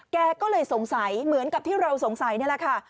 แกก็เลยสงสัยเหมือนกับที่เราสงสัยนี่แหละค่ะ